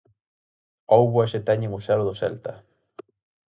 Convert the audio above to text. Hóuboas e teñen o selo do Celta.